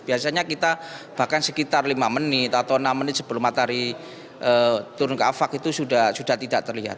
biasanya kita bahkan sekitar lima menit atau enam menit sebelum matahari turun ke afak itu sudah tidak terlihat